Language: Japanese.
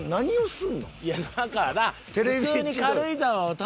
だから。